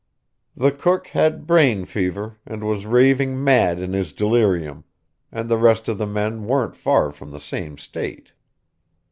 The cook had brain fever, and was raving mad in his delirium; and the rest of the men weren't far from the same state.